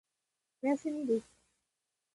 おやすみです。